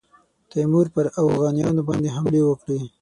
تیمور پر اوغانیانو باندي حملې وکړې.